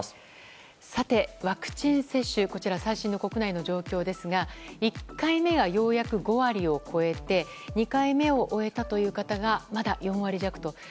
ワクチン接種、こちら最新の国内の状況ですが１回目がようやく５割を超えて２回目を終えたという方がまだ４割弱と。